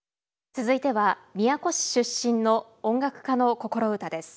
続いては宮古市出身の音楽家のこころウタです。